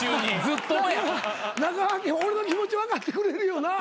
中川家俺の気持ち分かってくれるよな？